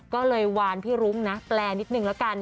ก็เลยวานพี่รุ้งแปลนิดหนึ่งแล้วกัน